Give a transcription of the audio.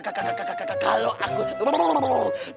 kalau aku tahu caranya